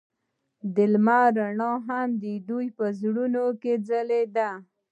د لمر رڼا هم د دوی په زړونو کې ځلېده.